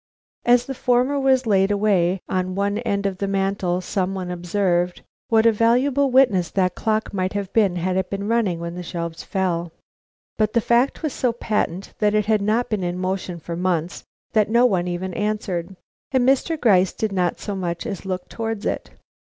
As the former was laid away on one end of the mantel some one observed: "What a valuable witness that clock might have been had it been running when the shelves fell!" But the fact was so patent that it had not been in motion for months that no one even answered; and Mr. Gryce did not so much as look towards it.